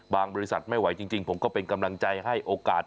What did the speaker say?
บริษัทไม่ไหวจริงผมก็เป็นกำลังใจให้โอกาส